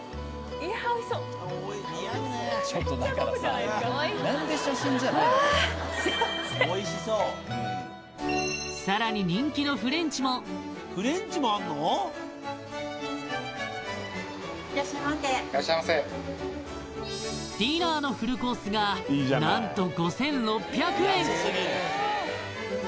あさらに人気のフレンチもディナーのフルコースが何と５６００円